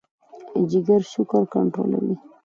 جګر شکر کنټرولوي.